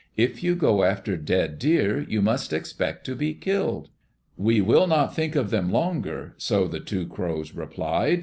If you go after dead deer you must expect to be killed." "We will not think of them longer," so the two crows replied.